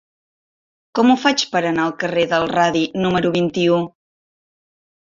Com ho faig per anar al carrer del Radi número vint-i-u?